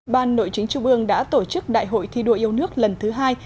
ban nội chính trung ương đã tổ chức đại hội thi đua yêu nước lần thứ hai